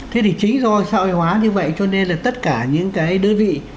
thế thì chính do sợi hóa như vậy cho nên là tất cả những cái đơn vị